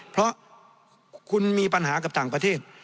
เพราะคุณมีปัญหากับต่างประเทศ